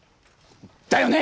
だよね！